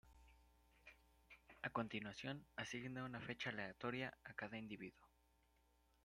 A continuación, asigna una fecha aleatoria a cada individuo.